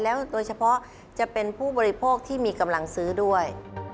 โดยเฉพาะจะเป็นผู้บริโภคที่มีกำลังซื้อด้วย